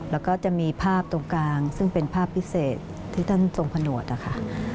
แล้วก็จะมีภาพตรงกลางซึ่งเป็นภาพพิเศษที่ท่านทรงผนวดนะคะ